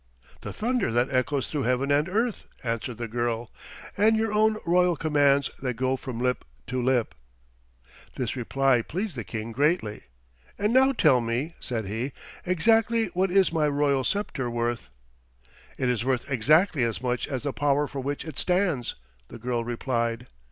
"The thunder that echoes through heaven and earth," answered the girl, "and your own royal commands that go from lip to lip." This reply pleased the King greatly. "And now tell me," said he, "exactly what is my royal sceptre worth?" "It is worth exactly as much as the power for which it stands," the girl replied.